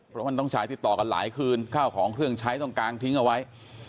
เพราะมันต้องใช้ติดต่อกันหลายคืนข้าวของเครื่องใช้ต้องกางทิ้งเอาไว้